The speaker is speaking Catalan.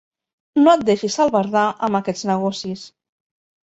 No et deixis albardar amb aquests negocis.